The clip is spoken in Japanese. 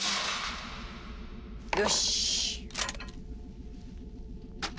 よし。